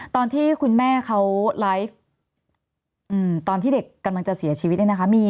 ตอนที่คุณแม่เขาไลฟ์ตอนที่เด็กกำลังจะเสียชีวิตเนี่ยนะคะ